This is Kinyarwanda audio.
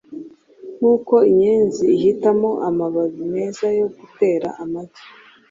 Nkuko inyenzi ihitamo amababi meza yo gutera amagi,